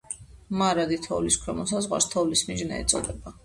მარადი თოვლის ქვემო საზღვარს თოვლის მიჯნა ეწოდება.